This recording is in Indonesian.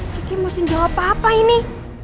kiki mesti jawab apa apa ini